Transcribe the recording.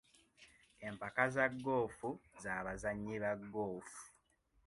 Empaka za goofu za bazannyi ba goofu.